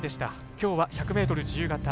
きょうは１００ｍ自由形